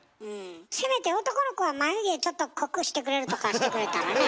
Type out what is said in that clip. せめて男の子は眉毛ちょっと濃くしてくれるとかしてくれたらね。